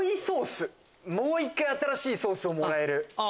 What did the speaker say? もう１回新しいソースをもらえる。